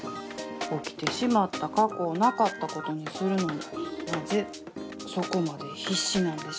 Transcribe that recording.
起きてしまった過去をなかったことにするのになぜそこまで必死なんでしょう。